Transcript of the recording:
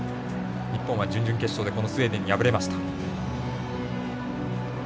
日本は準々決勝でこのスウェーデンに敗れました。